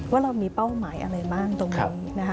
ว่าเรามีเป้าหมายอะไรบ้างตรงนี้นะคะ